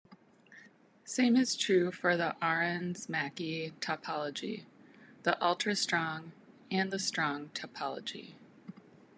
Same is true for the Arens-Mackey topology, the ultrastrong, and the strong topology.